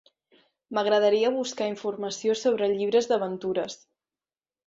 M'agradaria buscar informació sobre llibres d'aventures.